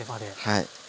はい。